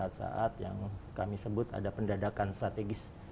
saat saat yang kami sebut ada pendadakan strategis